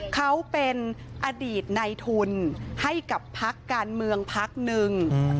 เขาเป็นอดีตในทุนให้กับพักการเมืองพักหนึ่ง